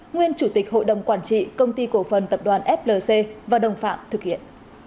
nguyên chủ tịch hội đồng quản trị công ty cổ phần tập đoàn flc và đồng phạm thực hiện